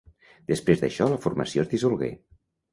Després d'això la formació es dissolgué.